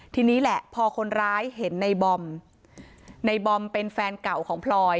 ทีนี้แหละพอคนร้ายเห็นในบอมในบอมเป็นแฟนเก่าของพลอย